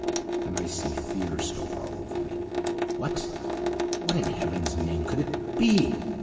"An icy fear stole all over me! What! what in Heaven's name could it be?